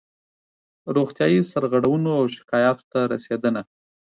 روغتیایي سرغړونو او شکایاتونو ته رسېدنه